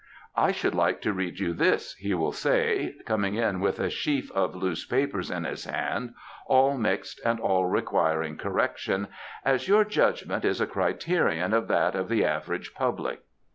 ^*I should like to read you this,'' he will say, coming in with a sheaf of loose papers in his hand, all mixed and all requiring correction, ^* as your judgment is a criterion of that of the average public."